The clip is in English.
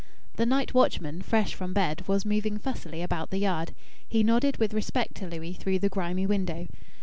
The night watchman, fresh from bed, was moving fussily about the yard. He nodded with respect to Louis through the grimy window.